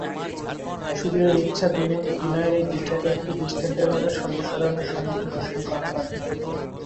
সুধীরের ইচ্ছা, বিনয়ের এই দীক্ষাকে একটা দৃষ্টান্তের মতো সর্বসাধারণের সম্মুখে ঘোষণা করা হয়।